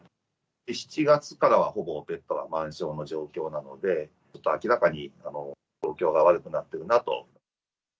７月からはほぼベッドが満床の状況なので、明らかに状況が悪くなっているなと。